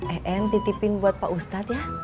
em titipin buat pak ustadz ya